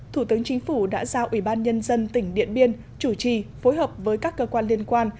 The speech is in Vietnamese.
thủ tướng chính phủ đã giao ủy ban nhân dân tỉnh điện biên chủ trì phối hợp với các cơ quan liên quan